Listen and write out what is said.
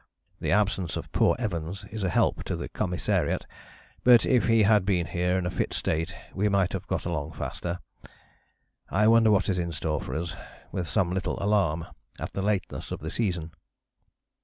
The absence of poor Evans is a help to the commissariat, but if he had been here in a fit state we might have got along faster. I wonder what is in store for us, with some little alarm at the lateness of the season."